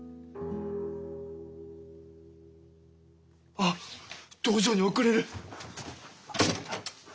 あっ道場に遅れる！